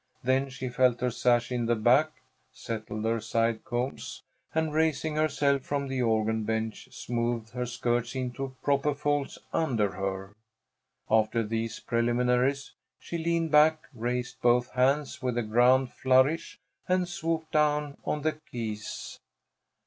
Then she felt her sash in the back, settled her side combs, and raising herself from the organ bench, smoothed her skirts into proper folds under her. After these preliminaries she leaned back, raised both hands with a grand flourish, and swooped down on the keys.